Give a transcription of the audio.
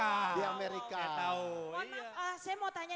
saya mau tanya nih kan bapak sudah cukup lama